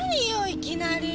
いきなり。